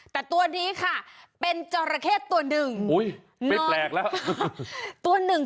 แต่ตัวนี้ค่ะเป็นจอรเข้ตัวหนึ่ง